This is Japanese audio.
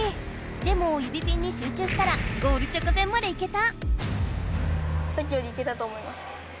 でも指ピンに集中したらゴール直前までいけた！